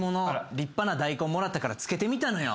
立派な大根もらったから漬けてみたのよ。